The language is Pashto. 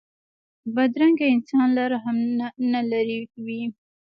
بدرنګه انسان له رحم نه لېرې وي